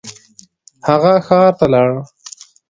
هغه ښار ته لاړ.